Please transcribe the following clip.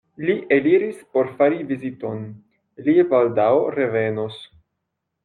Li eliris por fari viziton: li baldaŭ revenos.